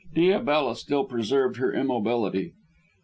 Diabella still preserved her immobility.